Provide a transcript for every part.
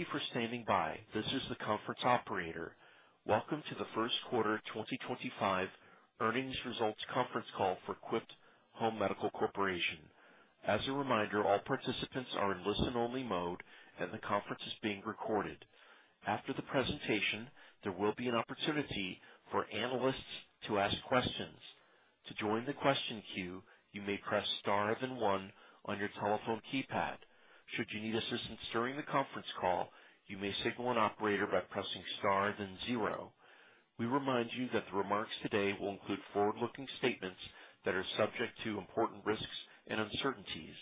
Thank you for standing by. This is the conference operator. Welcome to the first quarter 2025 earnings results conference call for Quipt Home Medical. As a reminder, all participants are in listen-only mode, and the conference is being recorded. After the presentation, there will be an opportunity for analysts to ask questions. To join the question queue, you may press star then one on your telephone keypad. Should you need assistance during the conference call, you may signal an operator by pressing star then zero. We remind you that the remarks today will include forward-looking statements that are subject to important risks and uncertainties.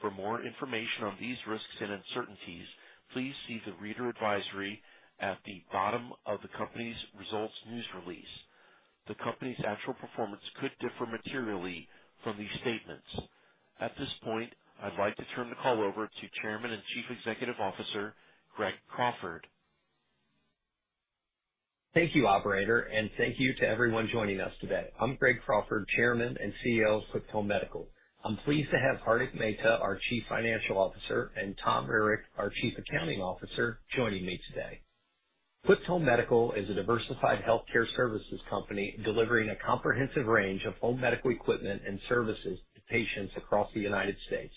For more information on these risks and uncertainties, please see the reader advisory at the bottom of the company's results news release. The company's actual performance could differ materially from these statements. At this point, I'd like to turn the call over to Chairman and Chief Executive Officer Greg Crawford. Thank you, Operator, and thank you to everyone joining us today. I'm Greg Crawford, Chairman and CEO of Quipt Home Medical. I'm pleased to have Hardik Mehta, our Chief Financial Officer, and Tom Rarick, our Chief Accounting Officer, joining me today. Quipt Home Medical is a diversified healthcare services company delivering a comprehensive range of home medical equipment and services to patients across the United States.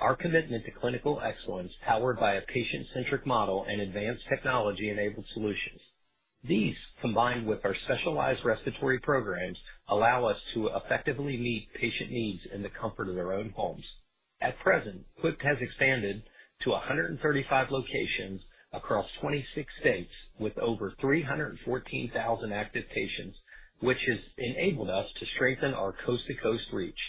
Our commitment to clinical excellence, powered by a patient-centric model and advanced technology-enabled solutions, these combined with our specialized respiratory programs, allow us to effectively meet patient needs in the comfort of their own homes. At present, Quipt has expanded to 135 locations across 26 states with over 314,000 active patients, which has enabled us to strengthen our coast-to-coast reach.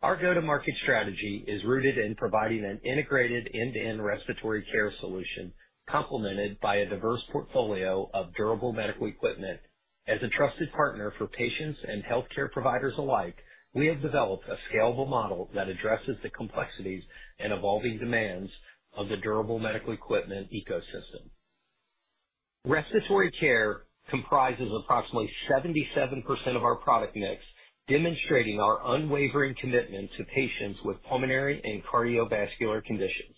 Our go-to-market strategy is rooted in providing an integrated end-to-end respiratory care solution, complemented by a diverse portfolio of durable medical equipment. As a trusted partner for patients and healthcare providers alike, we have developed a scalable model that addresses the complexities and evolving demands of the durable medical equipment ecosystem. Respiratory care comprises approximately 77% of our product mix, demonstrating our unwavering commitment to patients with pulmonary and cardiovascular conditions.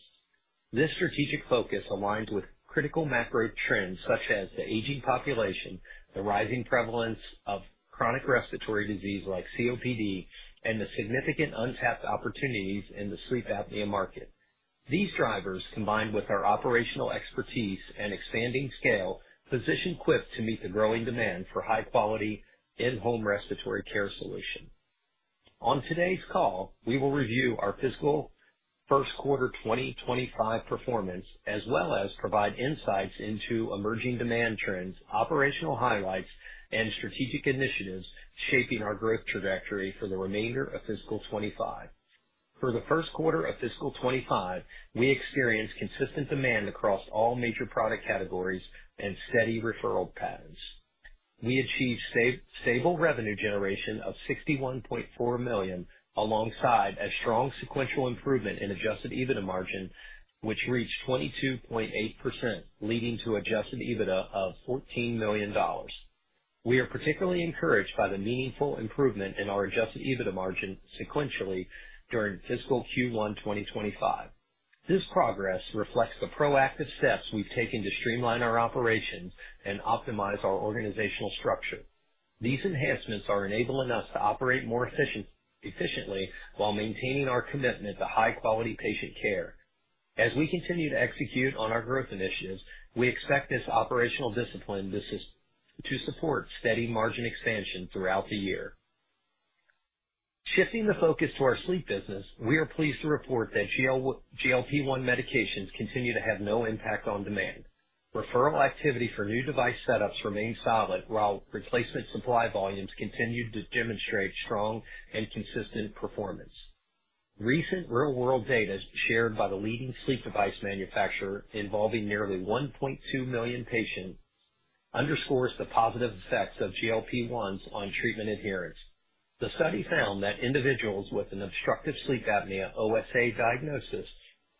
This strategic focus aligns with critical macro trends such as the aging population, the rising prevalence of chronic respiratory disease like COPD, and the significant untapped opportunities in the sleep apnea market. These drivers, combined with our operational expertise and expanding scale, position Quipt to meet the growing demand for high-quality in-home respiratory care solutions. On today's call, we will review our fiscal first quarter 2025 performance as well as provide insights into emerging demand trends, operational highlights, and strategic initiatives shaping our growth trajectory for the remainder of fiscal 2025. For the first quarter of fiscal 2025, we experienced consistent demand across all major product categories and steady referral patterns. We achieved stable revenue generation of $61.4 million alongside a strong sequential improvement in adjusted EBITDA margin, which reached 22.8%, leading to adjusted EBITDA of $14 million. We are particularly encouraged by the meaningful improvement in our adjusted EBITDA margin sequentially during fiscal Q1 2025. This progress reflects the proactive steps we've taken to streamline our operations and optimize our organizational structure. These enhancements are enabling us to operate more efficiently while maintaining our commitment to high-quality patient care. As we continue to execute on our growth initiatives, we expect this operational discipline to support steady margin expansion throughout the year. Shifting the focus to our sleep business, we are pleased to report that GLP-1 medications continue to have no impact on demand. Referral activity for new device setups remains solid, while replacement supply volumes continue to demonstrate strong and consistent performance. Recent real-world data shared by the leading sleep device manufacturer, involving nearly 1.2 million patients, underscores the positive effects of GLP-1s on treatment adherence. The study found that individuals with an obstructive sleep apnea (OSA) diagnosis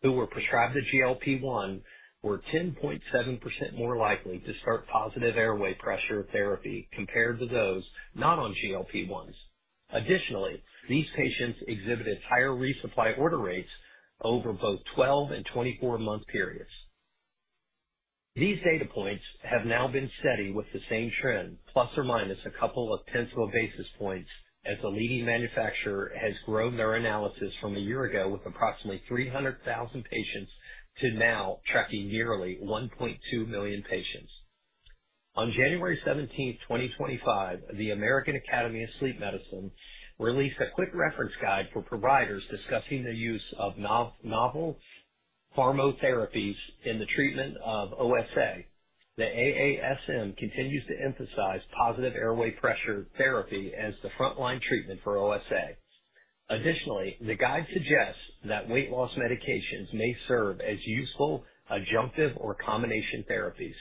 who were prescribed a GLP-1 were 10.7% more likely to start positive airway pressure therapy compared to those not on GLP-1s. Additionally, these patients exhibited higher resupply order rates over both 12 and 24-month periods. These data points have now been steady with the same trend, plus or minus a couple of tenths of a basis point, as the leading manufacturer has grown their analysis from a year ago with approximately 300,000 patients to now tracking nearly 1.2 million patients. On January 17th, 2025, the American Academy of Sleep Medicine released a quick reference guide for providers discussing the use of novel pharmotherapies in the treatment of OSA. The AASM continues to emphasize positive airway pressure therapy as the frontline treatment for OSA. Additionally, the guide suggests that weight loss medications may serve as useful adjunctive or combination therapies.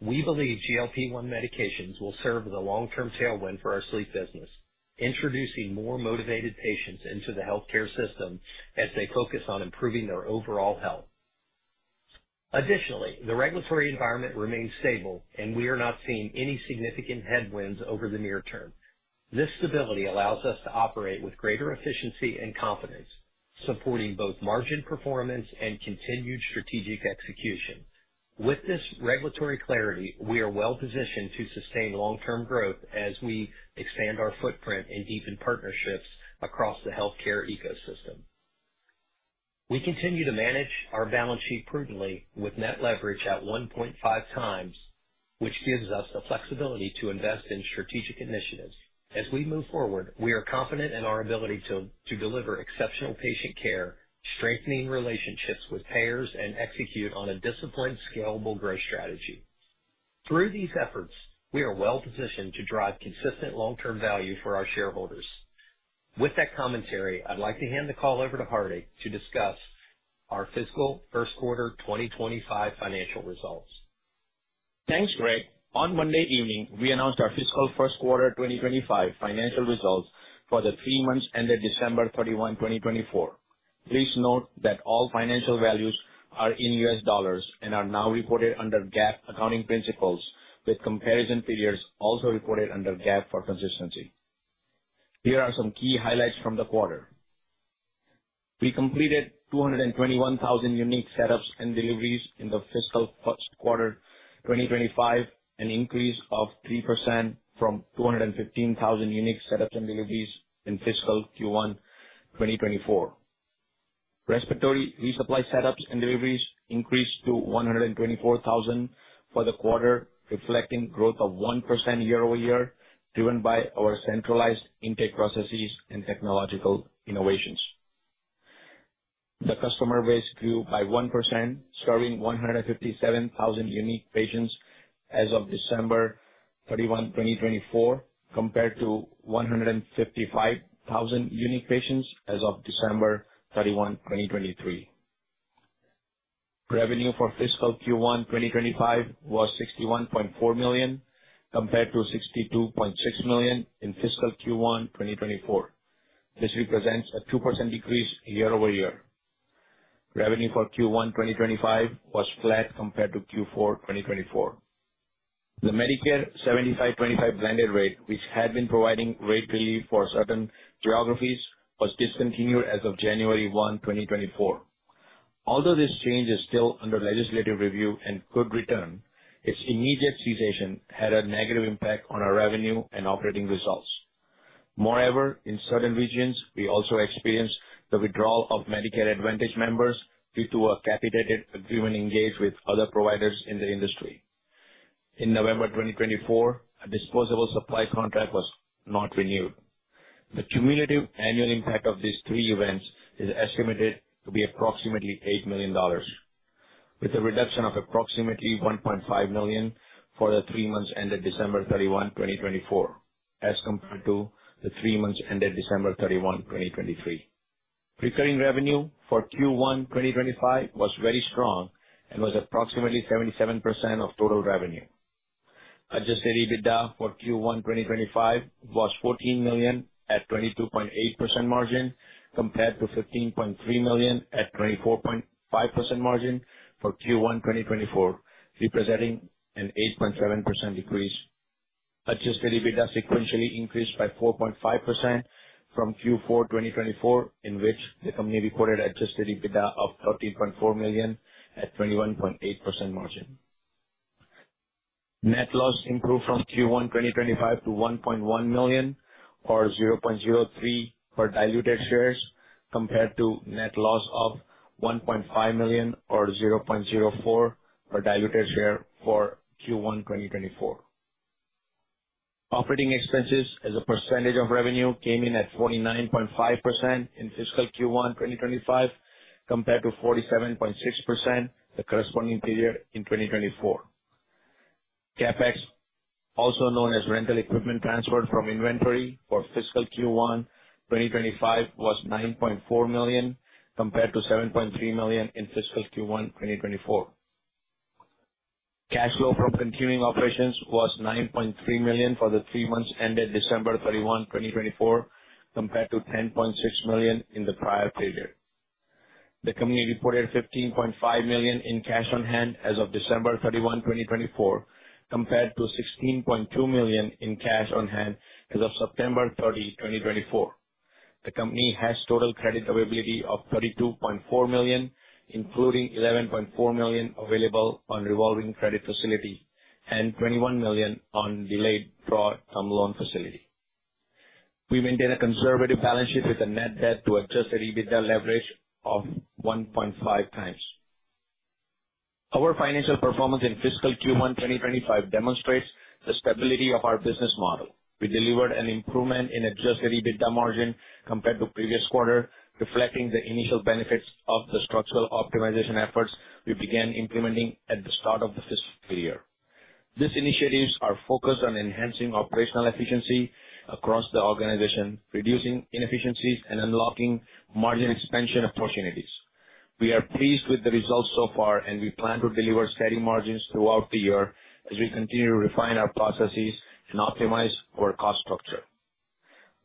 We believe GLP-1 medications will serve as a long-term tailwind for our sleep business, introducing more motivated patients into the healthcare system as they focus on improving their overall health. Additionally, the regulatory environment remains stable, and we are not seeing any significant headwinds over the near term. This stability allows us to operate with greater efficiency and confidence, supporting both margin performance and continued strategic execution. With this regulatory clarity, we are well-positioned to sustain long-term growth as we expand our footprint and deepen partnerships across the healthcare ecosystem. We continue to manage our balance sheet prudently with net leverage at 1.5 times, which gives us the flexibility to invest in strategic initiatives. As we move forward, we are confident in our ability to deliver exceptional patient care, strengthening relationships with payers, and execute on a disciplined, scalable growth strategy. Through these efforts, we are well-positioned to drive consistent long-term value for our shareholders. With that commentary, I'd like to hand the call over to Hardik to discuss our fiscal first quarter 2025 financial results. Thanks, Greg. On Monday evening, we announced our fiscal first quarter 2025 financial results for the three months ended December 31, 2024. Please note that all financial values are in US dollars and are now reported under GAAP accounting principles, with comparison periods also reported under GAAP for consistency. Here are some key highlights from the quarter. We completed 221,000 unique setups and deliveries in the fiscal first quarter 2025, an increase of 3% from 215,000 unique setups and deliveries in fiscal Q1 2024. Respiratory resupply setups and deliveries increased to 124,000 for the quarter, reflecting growth of 1% year-over-year, driven by our centralized intake processes and technological innovations. The customer base grew by 1%, serving 157,000 unique patients as of December 31, 2024, compared to 155,000 unique patients as of December 31, 2023. Revenue for fiscal Q1 2025 was $61.4 million compared to $62.6 million in fiscal Q1 2024. This represents a 2% decrease year-over-year. Revenue for Q1 2025 was flat compared to Q4 2024. The Medicare 75/25 blended rate, which had been providing rate relief for certain geographies, was discontinued as of January 1, 2024. Although this change is still under legislative review and could return, its immediate cessation had a negative impact on our revenue and operating results. Moreover, in certain regions, we also experienced the withdrawal of Medicare Advantage members due to a capitated agreement engaged with other providers in the industry. In November 2024, a disposable supply contract was not renewed. The cumulative annual impact of these three events is estimated to be approximately $8 million, with a reduction of approximately $1.5 million for the three months ended December 31, 2024, as compared to the three months ended December 31, 2023. Recurring revenue for Q1 2025 was very strong and was approximately 77% of total revenue. Adjusted EBITDA for Q1 2025 was $14 million at 22.8% margin compared to $15.3 million at 24.5% margin for Q1 2024, representing an 8.7% decrease. Adjusted EBITDA sequentially increased by 4.5% from Q4 2024, in which the company reported adjusted EBITDA of $13.4 million at a 21.8% margin. Net loss improved from Q1 2025 to $1.1 million or $0.03 per diluted share compared to net loss of $1.5 million or $0.04 per diluted share for Q1 2024. Operating expenses as a percentage of revenue came in at 49.5% in fiscal Q1 2025 compared to 47.6% in the corresponding period in 2024. CapEx, also known as rental equipment transferred from inventory for fiscal Q1 2025, was $9.4 million compared to $7.3 million in fiscal Q1 2024. Cash flow from continuing operations was $9.3 million for the three months ended December 31, 2024, compared to $10.6 million in the prior period. The company reported $15.5 million in cash on hand as of December 31, 2024, compared to $16.2 million in cash on hand as of September 30, 2024. The company has total credit availability of $32.4 million, including $11.4 million available on revolving credit facility and $21 million on delayed drawdown loan facility. We maintain a conservative balance sheet with a net debt to adjusted EBITDA leverage of 1.5 times. Our financial performance in fiscal Q1 2025 demonstrates the stability of our business model. We delivered an improvement in adjusted EBITDA margin compared to previous quarter, reflecting the initial benefits of the structural optimization efforts we began implementing at the start of the fiscal year. These initiatives are focused on enhancing operational efficiency across the organization, reducing inefficiencies, and unlocking margin expansion opportunities. We are pleased with the results so far, and we plan to deliver steady margins throughout the year as we continue to refine our processes and optimize our cost structure.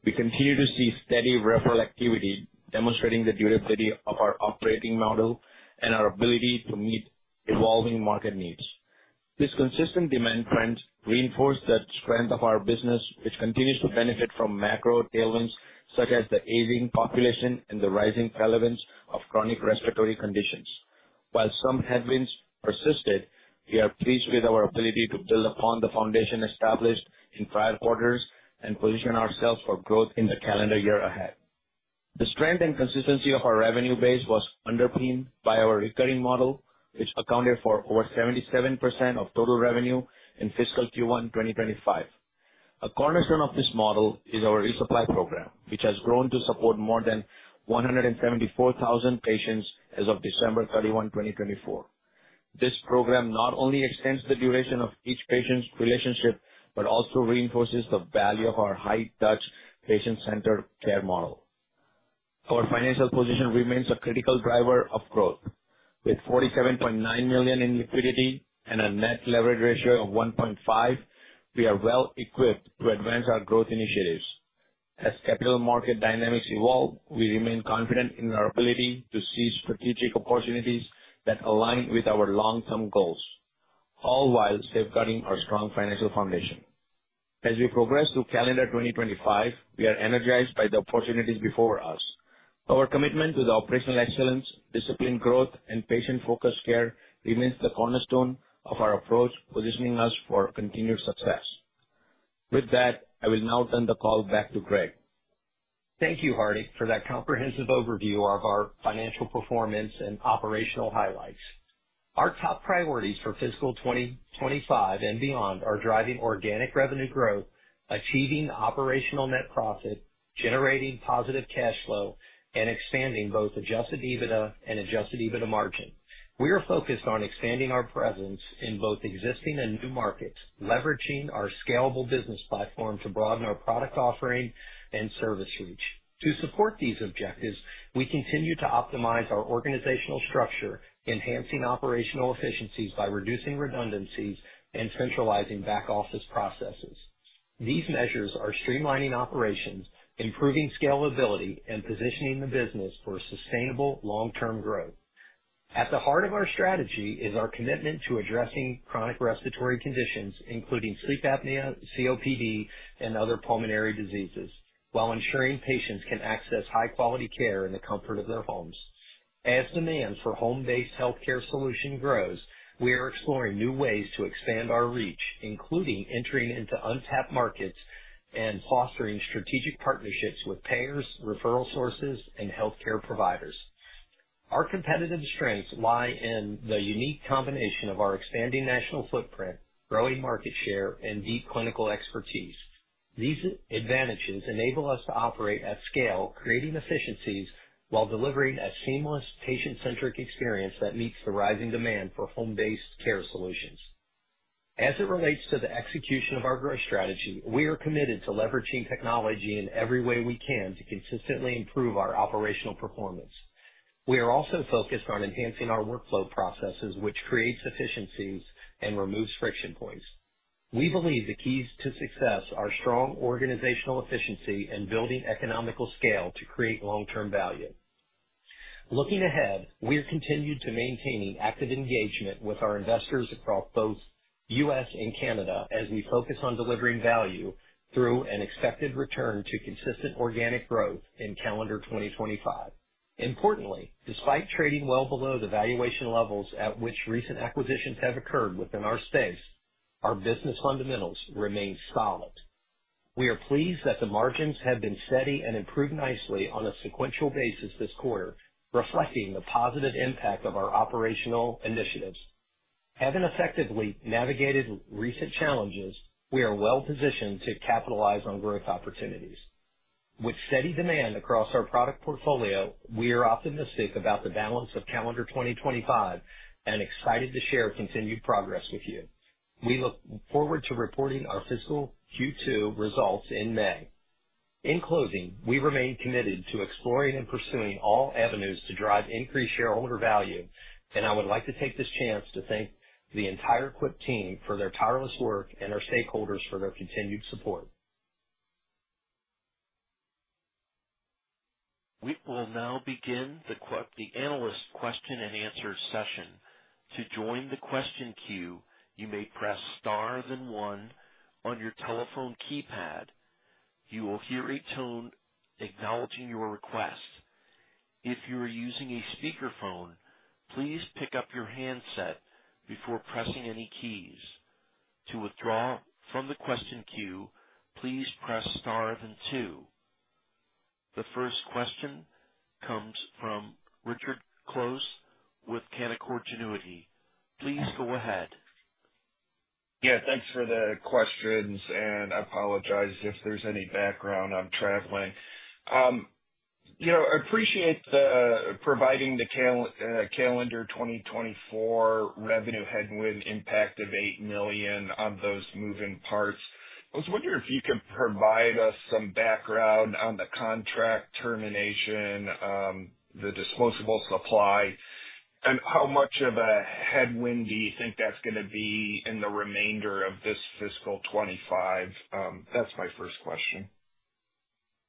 We continue to see steady referral activity, demonstrating the durability of our operating model and our ability to meet evolving market needs. This consistent demand trend reinforced the strength of our business, which continues to benefit from macro tailwinds such as the aging population and the rising relevance of chronic respiratory conditions. While some headwinds persisted, we are pleased with our ability to build upon the foundation established in prior quarters and position ourselves for growth in the calendar year ahead. The strength and consistency of our revenue base was underpinned by our recurring model, which accounted for over 77% of total revenue in fiscal Q1 2025. A cornerstone of this model is our resupply program, which has grown to support more than 174,000 patients as of December 31, 2024. This program not only extends the duration of each patient's relationship but also reinforces the value of our high-touch patient-centered care model. Our financial position remains a critical driver of growth. With $47.9 million in liquidity and a net leverage ratio of 1.5, we are well-equipped to advance our growth initiatives. As capital market dynamics evolve, we remain confident in our ability to seize strategic opportunities that align with our long-term goals, all while safeguarding our strong financial foundation. As we progress through calendar 2025, we are energized by the opportunities before us. Our commitment to operational excellence, disciplined growth, and patient-focused care remains the cornerstone of our approach, positioning us for continued success. With that, I will now turn the call back to Greg. Thank you, Hardik, for that comprehensive overview of our financial performance and operational highlights. Our top priorities for fiscal 2025 and beyond are driving organic revenue growth, achieving operational net profit, generating positive cash flow, and expanding both adjusted EBITDA and adjusted EBITDA margin. We are focused on expanding our presence in both existing and new markets, leveraging our scalable business platform to broaden our product offering and service reach. To support these objectives, we continue to optimize our organizational structure, enhancing operational efficiencies by reducing redundancies and centralizing back-office processes. These measures are streamlining operations, improving scalability, and positioning the business for sustainable long-term growth. At the heart of our strategy is our commitment to addressing chronic respiratory conditions, including sleep apnea, COPD, and other pulmonary diseases, while ensuring patients can access high-quality care in the comfort of their homes. As demand for home-based healthcare solutions grows, we are exploring new ways to expand our reach, including entering into untapped markets and fostering strategic partnerships with payers, referral sources, and healthcare providers. Our competitive strengths lie in the unique combination of our expanding national footprint, growing market share, and deep clinical expertise. These advantages enable us to operate at scale, creating efficiencies while delivering a seamless patient-centric experience that meets the rising demand for home-based care solutions. As it relates to the execution of our growth strategy, we are committed to leveraging technology in every way we can to consistently improve our operational performance. We are also focused on enhancing our workflow processes, which create efficiencies and remove friction points. We believe the keys to success are strong organizational efficiency and building economical scale to create long-term value. Looking ahead, we are continuing to maintain active engagement with our investors across both the U.S. and Canada as we focus on delivering value through an expected return to consistent organic growth in calendar 2025. Importantly, despite trading well below the valuation levels at which recent acquisitions have occurred within our space, our business fundamentals remain solid. We are pleased that the margins have been steady and improved nicely on a sequential basis this quarter, reflecting the positive impact of our operational initiatives. Having effectively navigated recent challenges, we are well-positioned to capitalize on growth opportunities. With steady demand across our product portfolio, we are optimistic about the balance of calendar 2025 and excited to share continued progress with you. We look forward to reporting our fiscal Q2 results in May. In closing, we remain committed to exploring and pursuing all avenues to drive increased shareholder value, and I would like to take this chance to thank the entire Quipt team for their tireless work and our stakeholders for their continued support. We will now begin the Quipt analyst question-and-answer session. To join the question queue, you may press star then one on your telephone keypad. You will hear a tone acknowledging your request. If you are using a speakerphone, please pick up your handset before pressing any keys. To withdraw from the question queue, please press star then two. The first question comes from Richard Close with Canaccord Genuity. Please go ahead. Yeah, thanks for the questions, and I apologize if there's any background. I'm traveling. I appreciate providing the calendar 2024 revenue headwind impact of $8 million on those moving parts. I was wondering if you could provide us some background on the contract termination, the disposable supply, and how much of a headwind do you think that's going to be in the remainder of this fiscal 2025? That's my first question.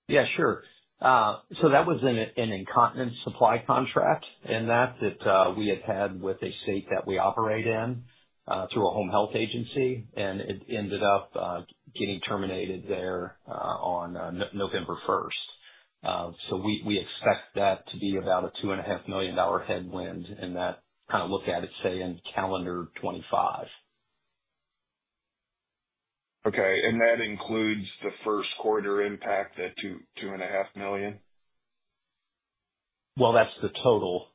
Yeah, sure. That was an incontinence supply contract that we had had with a state that we operate in through a home health agency, and it ended up getting terminated there on November 1st. We expect that to be about a $2.5 million headwind in that kind of look at it, say, in calendar 2025. Okay. And that includes the first quarter impact at $2.5 million? That's the total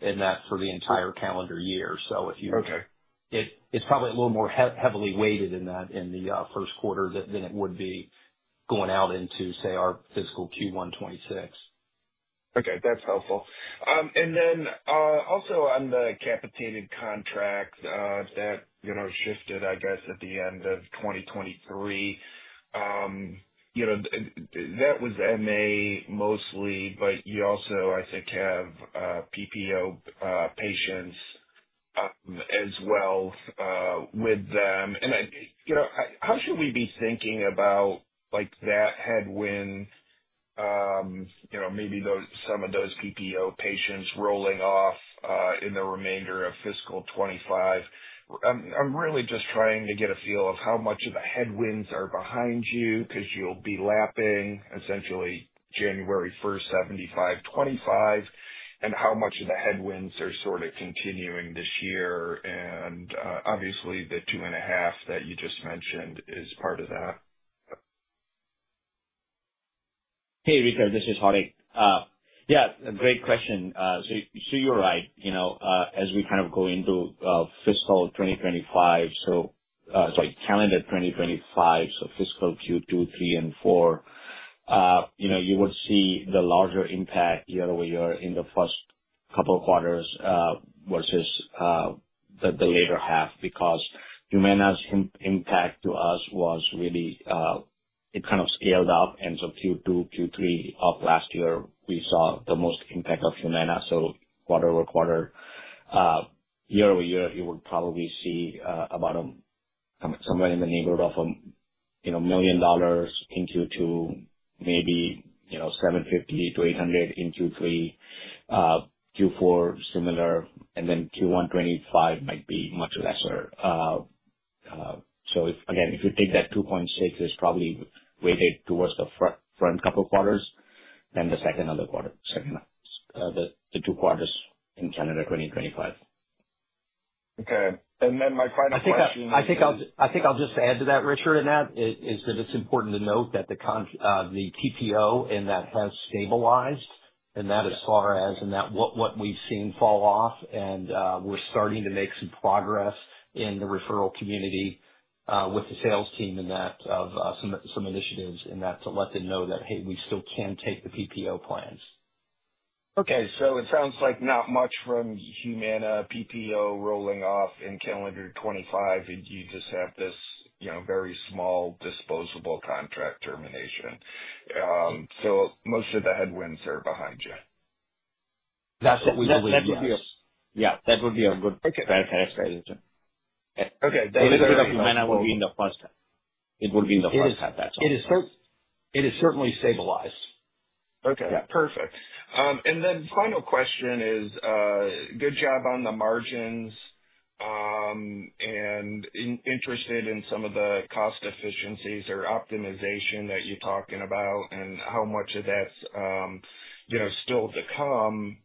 in that for the entire calendar year. It's probably a little more heavily weighted in that in the first quarter than it would be going out into, say, our fiscal Q1 2026. Okay. That's helpful. Also, on the capitated contract that shifted, I guess, at the end of 2023, that was MA mostly, but you also, I think, have PPO patients as well with them. How should we be thinking about that headwind, maybe some of those PPO patients rolling off in the remainder of fiscal 2025? I'm really just trying to get a feel of how much of the headwinds are behind you because you'll be lapping essentially January 1st, 75/25, and how much of the headwinds are sort of continuing this year. Obviously, the $2.5 that you just mentioned is part of that. Hey, Richard, this is Hardik. Yeah, great question. You're right. As we kind of go into fiscal 2025, sorry, calendar 2025, so fiscal Q2, Q3, and Q4, you would see the larger impact year-over-year in the first couple of quarters versus the later half because Humana's impact to us was really it kind of scaled up. Q2, Q3 of last year, we saw the most impact of Humana. Quarter-over-quarter, year-over-year, you would probably see about somewhere in the neighborhood of $1 million in Q2, maybe $750,000-$800,000 in Q3, Q4 similar, and then Q1 2025 might be much lesser. If you take that $2.6 million, it's probably weighted towards the front couple of quarters and the second other quarter, the two quarters in calendar 2025. Okay. And then my final question. I think I'll just add to that, Richard, in that it's important to note that the PPO in that has stabilized, and that as far as in that what we've seen fall off, and we're starting to make some progress in the referral community with the sales team in that of some initiatives in that to let them know that, hey, we still can take the PPO plans. Okay. It sounds like not much from Humana PPO rolling off in calendar 2025. You just have this very small disposable contract termination. Most of the headwinds are behind you. That's what we believe. Yeah. [That would be a good.] Okay. Okay. That is a good. [Humana would be in the first.] It would be in the first half, that's all. It is certainly stabilized. Okay. Perfect. Final question is good job on the margins and interested in some of the cost efficiencies or optimization that you're talking about and how much of that's still to come.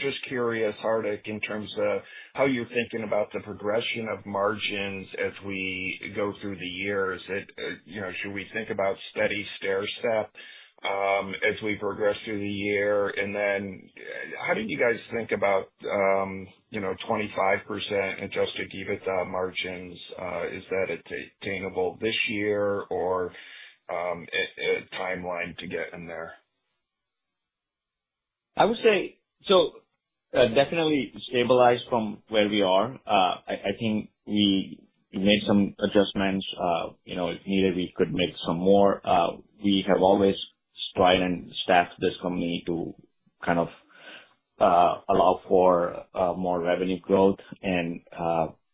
Just curious, Hardik, in terms of how you're thinking about the progression of margins as we go through the years. Should we think about steady stair step as we progress through the year? How do you guys think about 25% adjusted EBITDA margins? Is that attainable this year or a timeline to get in there? I would say so definitely stabilized from where we are. I think we made some adjustments. If needed, we could make some more. We have always tried and staffed this company to kind of allow for more revenue growth, and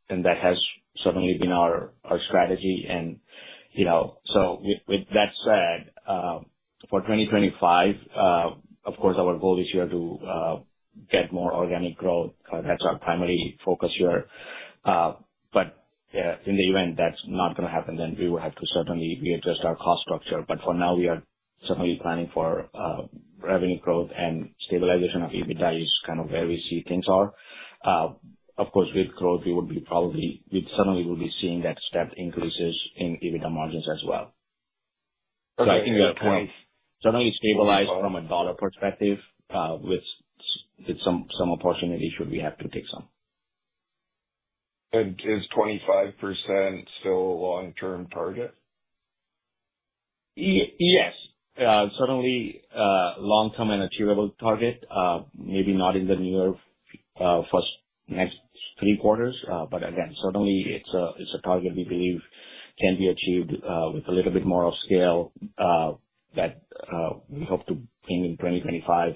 that has certainly been our strategy. With that said, for 2025, of course, our goal is here to get more organic growth. That's our primary focus here. In the event that's not going to happen, we will have to certainly readjust our cost structure. For now, we are certainly planning for revenue growth and stabilization of EBITDA is kind of where we see things are. Of course, with growth, we certainly will be seeing that step increases in EBITDA margins as well. I think we are kind of certainly stabilized from a dollar perspective with some opportunity should we have to take some. Is 25% still a long-term target? Yes. Certainly long-term and achievable target, maybe not in the near first next three quarters. Again, certainly, it's a target we believe can be achieved with a little bit more of scale that we hope to bring in 2025.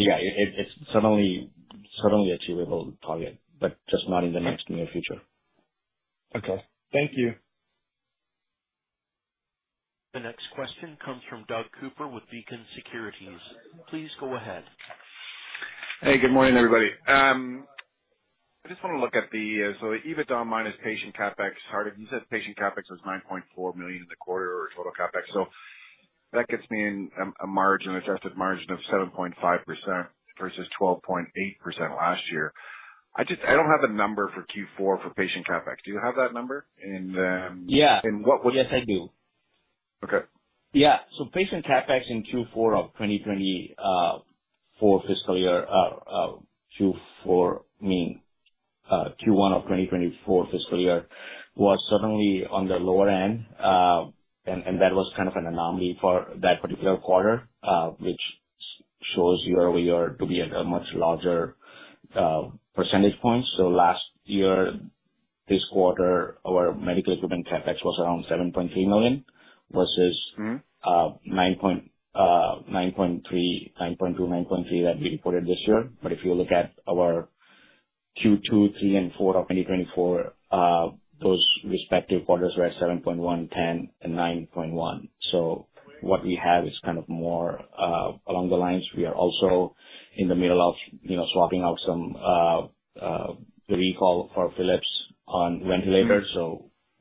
Yeah, it's certainly achievable target, just not in the next near future. Okay. Thank you. The next question comes from Doug Cooper with Beacon Securities. Please go ahead. Hey, good morning, everybody. I just want to look at the EBITDA minus patient CapEx. Hardik, you said patient CapEx was $9.4 million in the quarter or total CapEx. That gets me a margin, adjusted margin of 7.5% versus 12.8% last year. I do not have a number for Q4 for patient CapEx. Do you have that number? And what would? Yeah. Yes, I do. Okay. Yeah. Patient CapEx in Q4 of 2024 fiscal year, I mean, Q1 of 2024 fiscal year was certainly on the lower end, and that was kind of an anomaly for that particular quarter, which shows year-over-year to be at a much larger percentage point. Last year, this quarter, our medical equipment CapEx was around $7.3 million versus $9.2-$9.3 million that we reported this year. If you look at our Q2, Q3, and Q4 of 2024, those respective quarters were at $7.1 million, $10 million, and $9.1 million. What we have is kind of more along the lines. We are also in the middle of swapping out some of the recall for Philips on ventilators.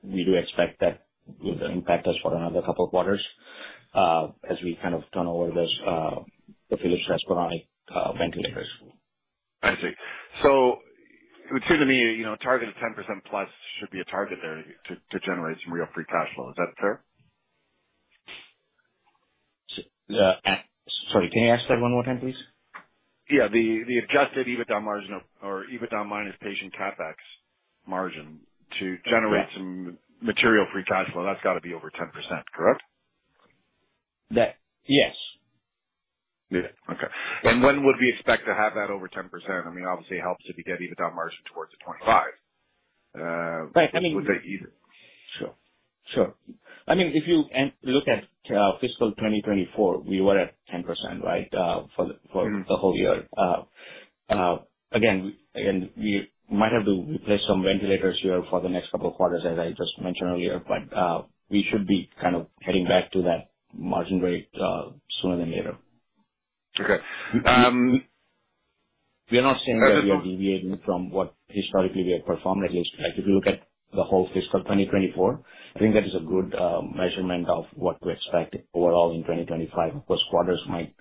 We do expect that will impact us for another couple of quarters as we kind of turn over the Philips Respironics ventilators. I see. It would seem to me a target of 10% plus should be a target there to generate some real free cash flow. Is that fair? Sorry, can you ask that one more time, please? Yeah. The adjusted EBITDA margin or EBITDA minus patient CapEx margin to generate some material free cash flow, that's got to be over 10%, correct? Yes. Okay. When would we expect to have that over 10%? I mean, obviously, it helps if you get EBITDA margin towards the 25. Right. I mean, sure. [Sure.] If you look at fiscal 2024, we were at 10%, right, for the whole year. Again, we might have to replace some ventilators here for the next couple of quarters, as I just mentioned earlier, but we should be kind of heading back to that margin rate sooner than later. Okay. We are not saying that we are deviating from what historically we have performed, at least if you look at the whole fiscal 2024. I think that is a good measurement of what to expect overall in 2025. Of course, quarters might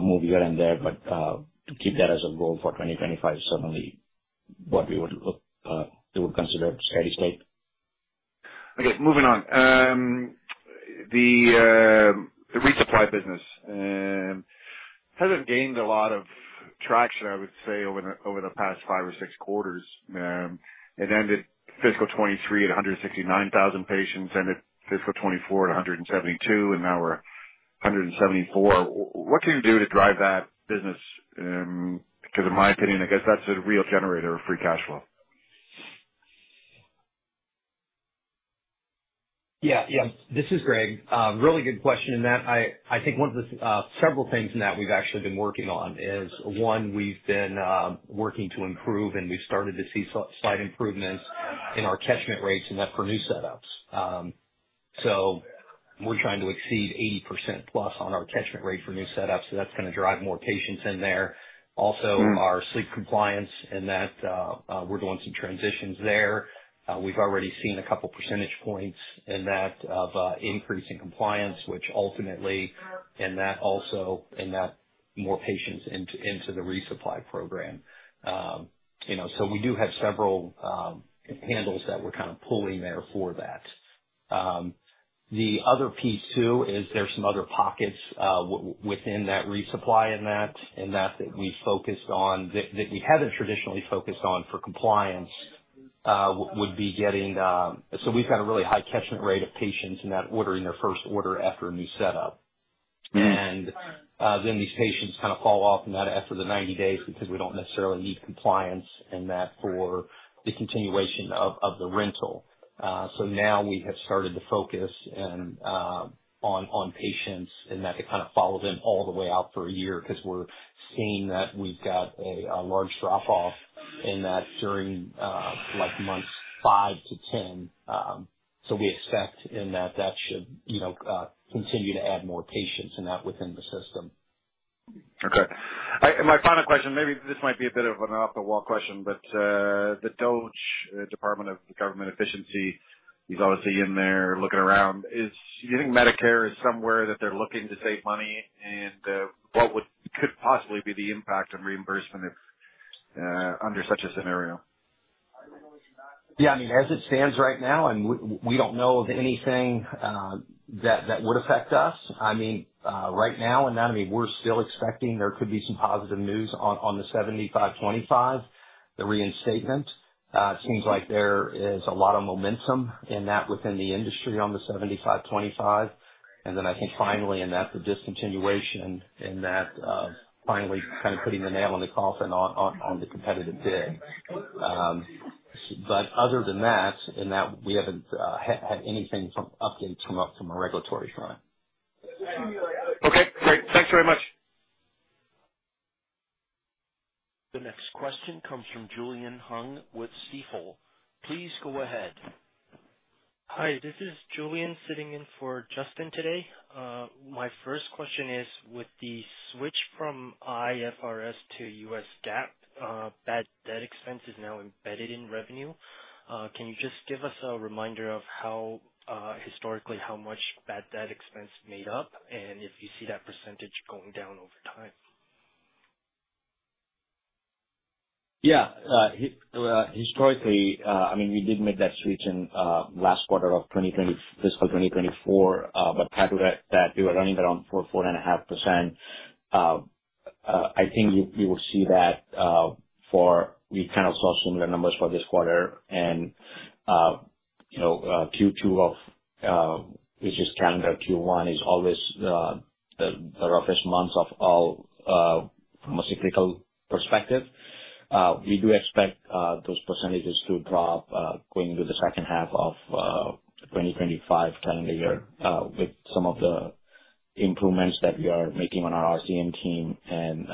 move here and there, but to keep that as a goal for 2025 is certainly what we would consider steady state. Okay. Moving on. The resupply business hasn't gained a lot of traction, I would say, over the past five or six quarters. It ended fiscal 2023 at 169,000 patients, ended fiscal 2024 at 172,000, and now we're 174,000. What can you do to drive that business? Because in my opinion, I guess that's a real generator of free cash flow. Yeah. Yeah. This is Greg. Really good question in that. I think one of the several things in that we've actually been working on is, one, we've been working to improve, and we've started to see slight improvements in our catchment rates in that for new setups. We're trying to exceed 80%+ on our catchment rate for new setups. That's going to drive more patients in there. Also, our sleep compliance in that we're doing some transitions there. We've already seen a couple of percentage points in that of increasing compliance, which ultimately in that also in that more patients into the resupply program. We do have several handles that we're kind of pulling there for that. The other piece too is there's some other pockets within that resupply in that that we focused on that we haven't traditionally focused on for compliance would be getting so we've got a really high catchment rate of patients in that ordering their first order after a new setup. These patients kind of fall off in that after the 90 days because we don't necessarily need compliance in that for the continuation of the rental. Now we have started to focus on patients in that to kind of follow them all the way out for a year because we're seeing that we've got a large drop-off in that during months 5-10. We expect in that that should continue to add more patients in that within the system. Okay. My final question, maybe this might be a bit of an off-the-wall question, but the Department of Government Efficiency is obviously in there looking around. Do you think Medicare is somewhere that they're looking to save money, and what could possibly be the impact on reimbursement under such a scenario? Yeah. I mean, as it stands right now, and we don't know of anything that would affect us. I mean, right now, in that, I mean, we're still expecting there could be some positive news on the 75/25, the reinstatement. It seems like there is a lot of momentum in that within the industry on the 75/25. I think finally in that, the discontinuation in that finally kind of putting the nail in the coffin on the competitive bid. Other than that, in that, we haven't had anything from updates from a regulatory front. Okay. Great. Thanks very much. The next question comes from Julian Hung with Stifel. Please go ahead. Hi. This is Julian sitting in for Justin today. My first question is with the switch from IFRS to US GAAP, that expense is now embedded in revenue. Can you just give us a reminder of how historically how much that expense made up and if you see that percentage going down over time? Yeah. Historically, I mean, we did make that switch in last quarter of fiscal 2024, but prior to that, we were running around 4-4.5%. I think you would see that for we kind of saw similar numbers for this quarter. And Q2 of which is calendar Q1 is always the roughest months of all from a cyclical perspective. We do expect those percentages to drop going into the second half of 2025 calendar year with some of the improvements that we are making on our RCM team and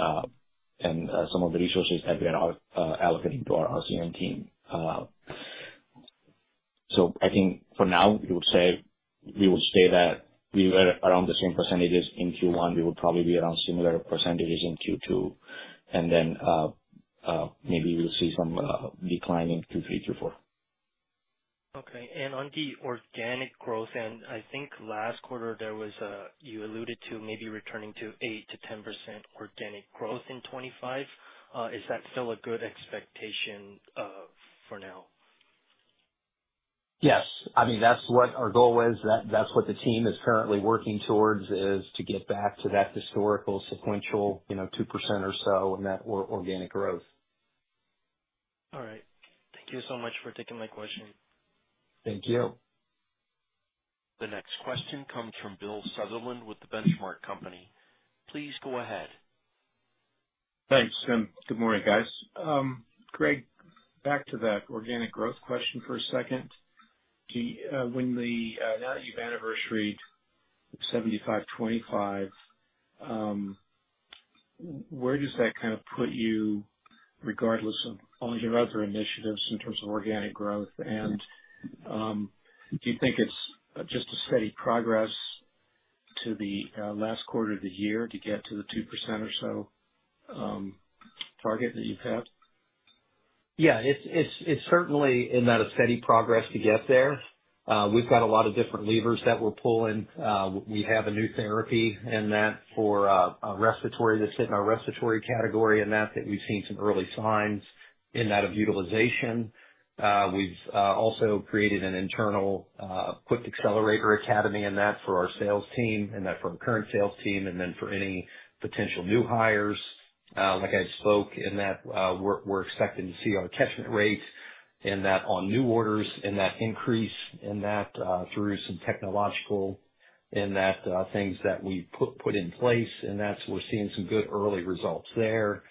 some of the resources that we are allocating to our RCM team. I think for now, we would say we would stay that we were around the same percentages in Q1. We would probably be around similar percentages in Q2. Maybe we'll see some decline in Q3, Q4. Okay. On the organic growth, I think last quarter there was a you alluded to maybe returning to 8-10% organic growth in 2025. Is that still a good expectation for now? Yes. I mean, that's what our goal is. That's what the team is currently working towards is to get back to that historical sequential 2% or so in that organic growth. All right. Thank you so much for taking my question. Thank you. The next question comes from Bill Sutherland with Benchmark Company. Please go ahead. Thanks. Good morning, guys. Greg, back to that organic growth question for a second. Now that you've anniversaried 75/25, where does that kind of put you regardless of all your other initiatives in terms of organic growth? Do you think it's just a steady progress to the last quarter of the year to get to the 2% or so target that you've had? Yeah. It's certainly in that a steady progress to get there. We've got a lot of different levers that we're pulling. We have a new therapy in that for respiratory that's hit in our respiratory category in that that we've seen some early signs in that of utilization. We've also created an internal quick accelerator academy for our sales team and for our current sales team and then for any potential new hires. Like I spoke, we're expecting to see our catchment rate on new orders increase through some technological things that we put in place. We're seeing some good early results there.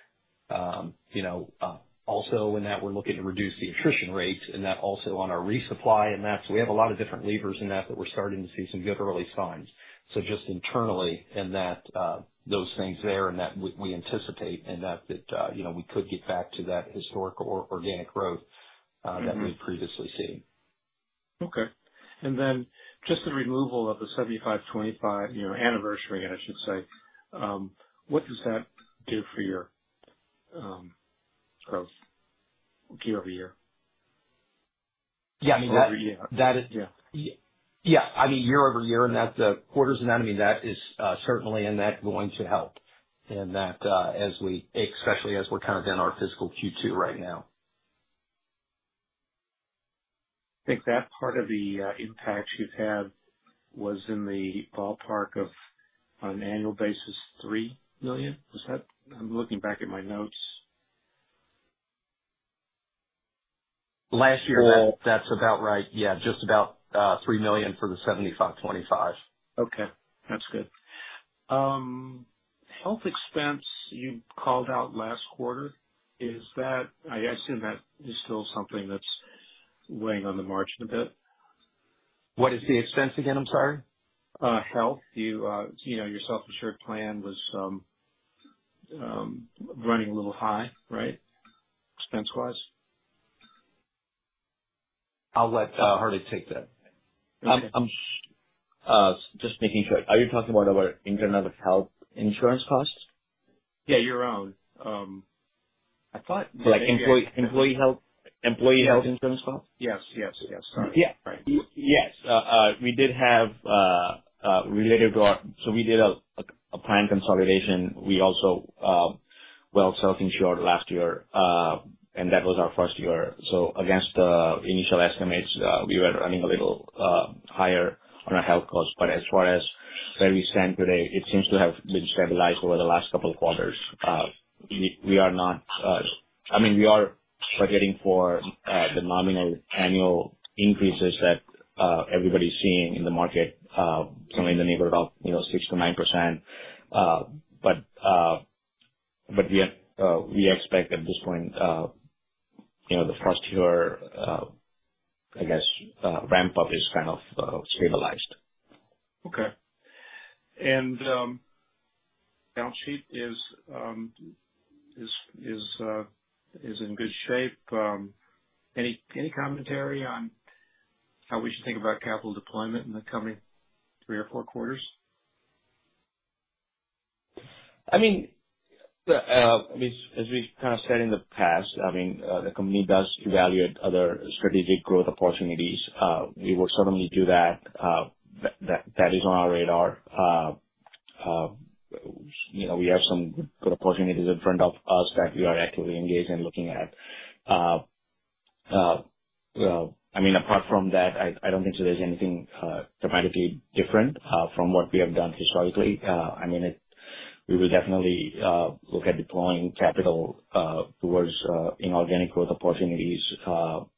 Also, we're looking to reduce the attrition rate also on our resupply. We have a lot of different levers that we're starting to see some good early signs. Just internally, those things there, we anticipate that we could get back to that historical organic growth that we've previously seen. Okay. Just the removal of the 75/25 anniversary, I should say, what does that do for your growth year-over-year? Yeah. I mean, [that is], yeah. Yeah. I mean, year-over-year in that, the quarters in that, I mean, that is certainly in that going to help in that especially as we're kind of in our fiscal Q2 right now. I think that part of the impact you've had was in the ballpark of, on an annual basis, $3 million. I'm looking back at my notes. Last year, that's about right. Yeah. Just about $3 million for the 75/25. Okay. That's good. Health expense you called out last quarter. I assume that is still something that's weighing on the margin a bit. What is the expense again? I'm sorry. Health, your self-insured plan was running a little high, right, expense-wise? I'll let Hardik take that. I'm just making sure. Are you talking about our internal health insurance costs? Yeah. Your own. [I thought.] Like employee health insurance costs? Yes. Yes. Yes. Sorry. Yeah. Yes. We did have related to our so we did a plan consolidation. We also, self-insured last year, and that was our first year. Against the initial estimates, we were running a little higher on our health costs. As far as where we stand today, it seems to have been stabilized over the last couple of quarters. We are not, I mean, we are targeting for the nominal annual increases that everybody's seeing in the market, certainly in the neighborhood of 6-9%. We expect at this point the first year, I guess, ramp-up is kind of stabilized. Okay. The balance sheet is in good shape. Any commentary on how we should think about capital deployment in the coming three or four quarters? I mean, as we've kind of said in the past, I mean, the company does evaluate other strategic growth opportunities. We would certainly do that. That is on our radar. We have some good opportunities in front of us that we are actively engaged in looking at. I mean, apart from that, I do not think there's anything dramatically different from what we have done historically. I mean, we will definitely look at deploying capital towards inorganic growth opportunities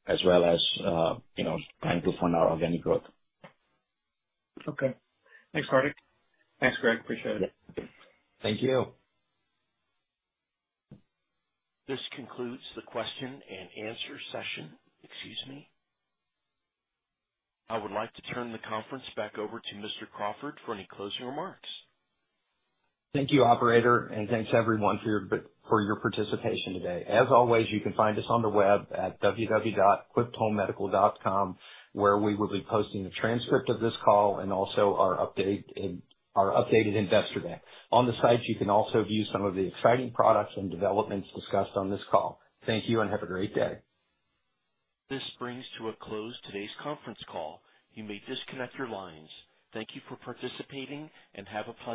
as well as trying to fund our organic growth. Okay. Thanks, Hardik. Thanks, Greg. Appreciate it. Thank you. This concludes the question-and-answer session. Excuse me. I would like to turn the conference back over to Mr. Crawford for any closing remarks. Thank you, operator. And thanks, everyone, for your participation today. As always, you can find us on the web at www.quipthomemedical.com, where we will be posting the transcript of this call and also our updated investor bank. On the site, you can also view some of the exciting products and developments discussed on this call. Thank you and have a great day. This brings to a close today's conference call. You may disconnect your lines. Thank you for participating and have a pleasant.